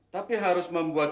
tapi harus membuat